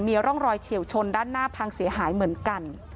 มีร่องรอยเฉียวชนด้านหน้าพังเสียหายเหมือนกัน